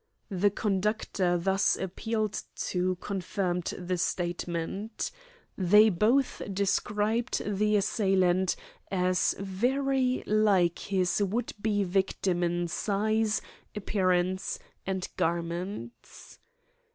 The conductor thus appealed to confirmed the statement. They both described the assailant as very like his would be victim in size, appearance, and garments.